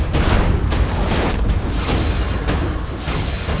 dia sudah mati